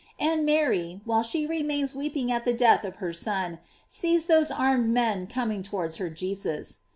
And Mary, while she remains weeping at the death of her Son, sees those armed men coming towards her Jesus.